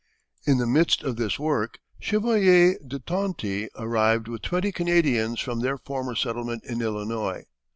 In the midst of this work Chevalier de Tonti arrived with twenty Canadians from their former settlement in Illinois.